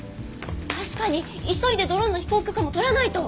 確かに急いでドローンの飛行許可も取らないと！